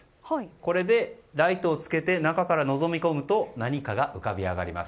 これでライトをつけて中からのぞき込むと何かが浮かび上がります。